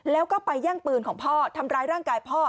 แล้วก็ไปแย่งปืนของพ่อทำร้ายร่างกายพ่อ